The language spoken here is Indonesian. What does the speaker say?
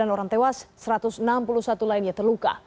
sembilan orang tewas satu ratus enam puluh satu lainnya terluka